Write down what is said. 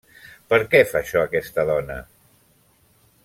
-Per què fa això aquesta dona?